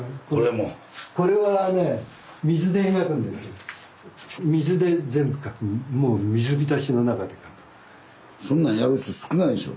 もうそんなんやる人少ないでしょ。